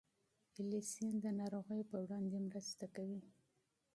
الیسین د ناروغیو پر وړاندې مرسته کوي.